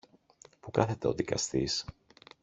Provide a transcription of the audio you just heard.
Πού κάθεται ο δικαστής;